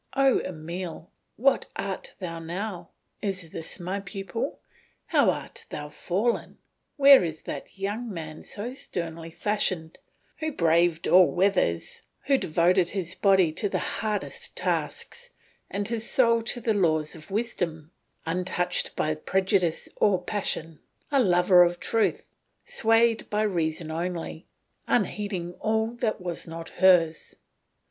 O Emile! what art thou now? Is this my pupil? How art thou fallen! Where is that young man so sternly fashioned, who braved all weathers, who devoted his body to the hardest tasks and his soul to the laws of wisdom; untouched by prejudice or passion, a lover of truth, swayed by reason only, unheeding all that was not hers?